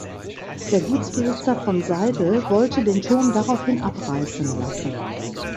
Der Gutsbesitzer von Seydel wollte den Turm daraufhin abreißen lassen.